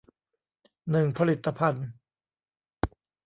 หนึ่งผลิตภัณฑ์